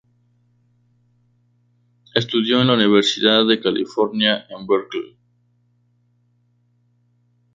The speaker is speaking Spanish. Estudió en la Universidad de California en Berkeley.